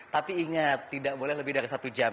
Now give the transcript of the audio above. tapi ingat tidak boleh lebih dari satu jam